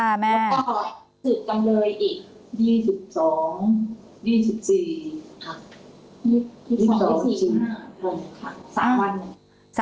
ค่ะแม่แล้วก็สืบจำเลยอีก๒๒๒๔ค่ะ